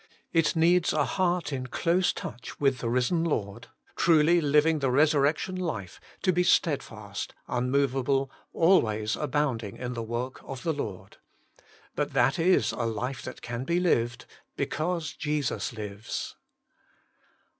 It needs a heart in 74 Working for God close touch with the risen Lord, truly living the resurrection life, to be stedfast, un moveable, ahcays abounding in the work of the Lord. But that is a life that can be lived — because Jesus lives.